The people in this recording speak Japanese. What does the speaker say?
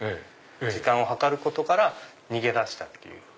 時間を計ることから逃げ出したっていう。